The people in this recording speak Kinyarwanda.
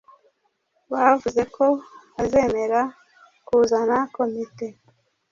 Bavuze ko bazemera kuzana komite.